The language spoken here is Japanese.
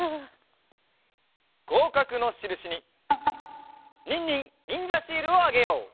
ごうかくのしるしにニンニンにんじゃシールをあげよう。